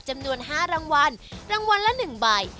จำนวน๕รางวัลรางวัลละ๑ใบ